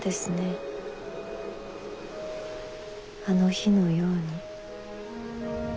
あの日のように。